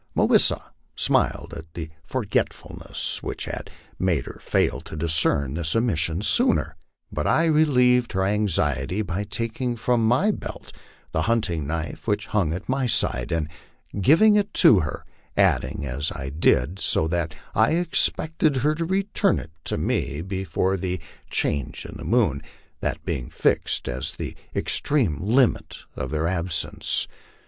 Mah wis sa smiled at the forgetfulness which had made her fail to discern this omission sooner, but I relieved her anxiety by taking from my belt the hunting knife which hung at my side and giving it to her, adding as I did so that I expected her to return it to me before the change ia 212 LIFE ON THE PLAINS. the moon, that being fixed as the extreme limit of their absence.